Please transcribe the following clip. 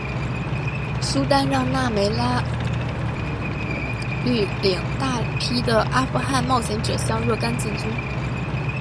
苏丹让那腊梅拉率领大批的阿富汗冒险者向若开进军。